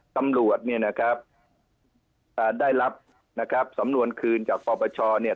ตำรวจเนี่ยนะครับอ่าได้รับนะครับสำนวนคืนจากปปชเนี่ย